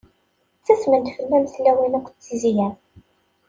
Ttasment fell-am tlawin akked tizya-m.